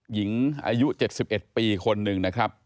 หญิงอายุ๗๑ปีคนหนึ่งนะครับ